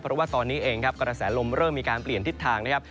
เพราะว่าตอนนี้เองครับกระแสลมเริ่มมีการเปลี่ยนทิศทางนะครับ